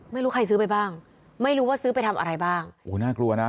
ไม่รู้ใครซื้อไปบ้างไม่รู้ว่าซื้อไปทำอะไรบ้างโอ้โหน่ากลัวนะ